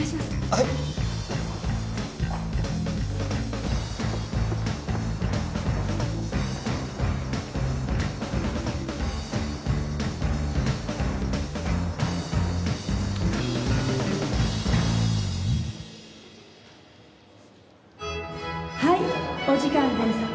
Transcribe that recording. はいはいお時間です